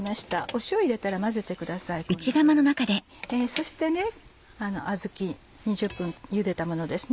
そしてあずき２０分ゆでたものですね。